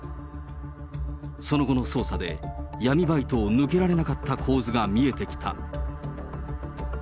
その後の捜査で、闇バイトを抜けられなかった構図が見えてきた。